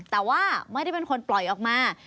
แต่ว่าไม่ได้เป็นคนปล่อยออกมา